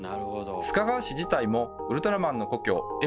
須賀川市自体もウルトラマンの故郷「Ｍ７８